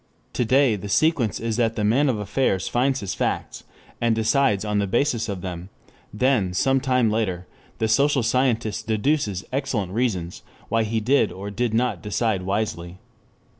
To day the sequence is that the man of affairs finds his facts, and decides on the basis of them; then, some time later, the social scientist deduces excellent reasons why he did or did not decide wisely.